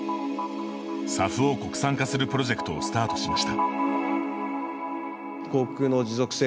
ＳＡＦを国産化するプロジェクトをスタートしました。